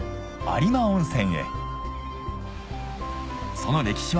有馬温泉